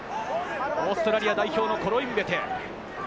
オーストラリア代表、コロインベテ。